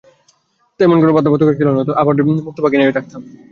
কোনও বাধ্যবধকতা ছিল না, আমরা মুক্ত পাখির ন্যায় থাকতাম!